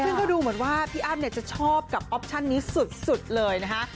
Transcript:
ซึ่งก็ดูเหมือนว่าพี่อ้ำเนี่ยจะชอบกับออปชั่นนี้สุดเลยนะคะ